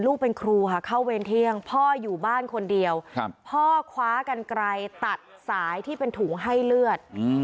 ลูกเป็นครูค่ะเข้าเวรเที่ยงพ่ออยู่บ้านคนเดียวพ่อคว้ากันไกลตัดสายที่เป็นถุงให้เลือด